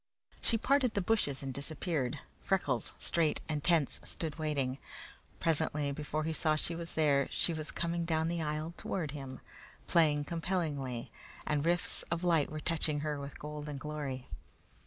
She parted the bushes and disappeared. Freckles, straight and tense, stood waiting. Presently, before he saw she was there, she was coming down the aisle toward him, playing compellingly, and rifts of light were touching her with golden glory.